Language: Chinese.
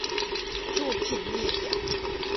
作品列表